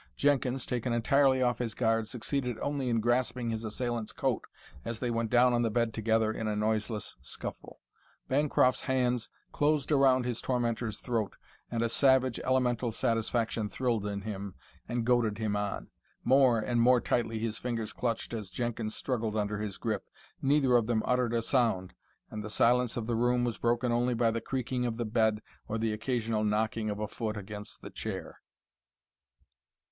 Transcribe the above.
Jenkins, taken entirely off his guard, succeeded only in grasping his assailant's coat as they went down on the bed together in a noiseless scuffle. Bancroft's hands closed around his tormentor's throat, and a savage, elemental satisfaction thrilled in him and goaded him on. More and more tightly his fingers clutched as Jenkins struggled under his grip. Neither of them uttered a sound, and the silence of the room was broken only by the creaking of the bed or the occasional knocking of a foot against the chair.